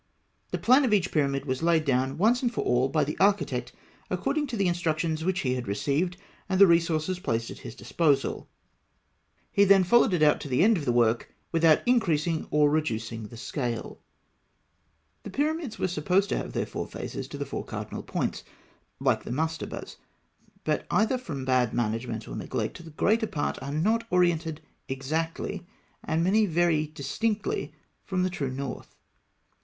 The plan of each pyramid was laid down, once for all, by the architect, according to the instructions which he had received, and the resources placed at his disposal. He then followed it out to the end of the work, without increasing or reducing the scale (Note 17). [Illustration: Fig. 136. Section of the Great Pyramid.] The pyramids were supposed to have their four faces to the four cardinal points, like the mastabas; but, either from bad management or neglect, the greater part are not oriented exactly, and many vary distinctly from the true north (Note 18).